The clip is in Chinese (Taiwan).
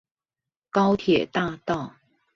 高鐵大道